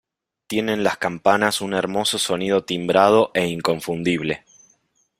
Tienen las campanas un hermoso sonido timbrado e inconfundible.